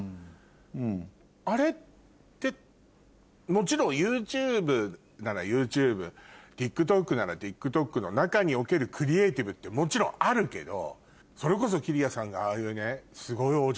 もちろんＹｏｕＴｕｂｅならＹｏｕＴｕｂｅＴｉｋＴｏｋならＴｉｋＴｏｋの中におけるクリエイティブってもちろんあるけどそれこそ紀里谷さんがああいうね。